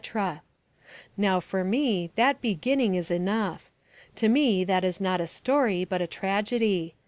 Now for me that beginning is enough. To me that is not a story, but a tragedy.